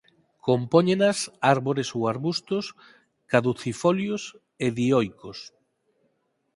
Compóñenas árbores ou arbustos caducifolios e dioicos.